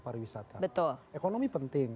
pariwisata betul ekonomi penting